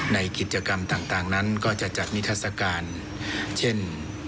ในกิจกรรมต่างนั้นก็จะจัดนิทัศกาลเช่น